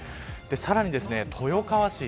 さらに豊川市